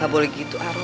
gak boleh gitu arun